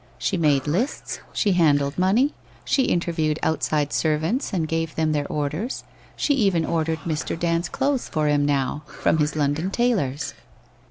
She made lists, she handled money, she interviewed outside servants and gave them their orders, she even ordered Mr. Dand's clothes for him now, from his London tailors'.